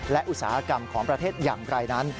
และอุตสาหกรรมของประเทศอย่างไรนั้น